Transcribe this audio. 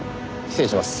失礼します。